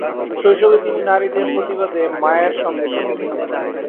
শৈশবে তিনি নারীদের প্রতিবাদে মায়ের সঙ্গে ছিলেন।